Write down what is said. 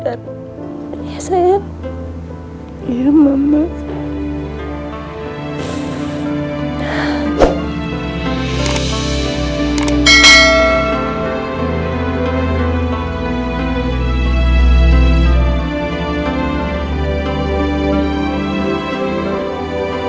ada bayi yang sangat mengembangku